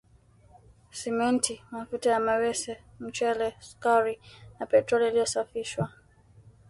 Simenti, mafuta ya mawese, mchele, sukari na petroli iliyosafishwa